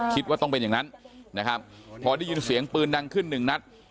คิดว่าต้องเป็นอย่างนั้นนะครับพอได้ยินเสียงปืนดังขึ้นหนึ่งนัด